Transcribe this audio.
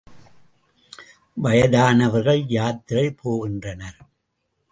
வயதானவர்கள் யாத்திரை போகின்றனர்.